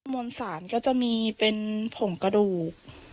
มวลสารก็จะมีเป็นผงกระดูก